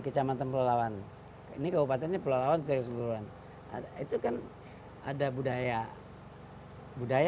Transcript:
kecamatan pelawan ini keupatannya pelawan selesai geluran ada itu kan ada budaya budaya